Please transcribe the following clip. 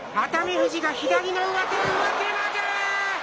富士が左の上手を、上手投げ。